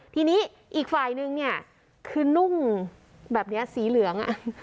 ทีนี้อีกฝ่ายนึงเนี่ยคือนุ่งแบบนี้สีเหลือง